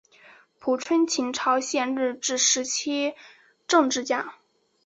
朴春琴朝鲜日治时期政治家。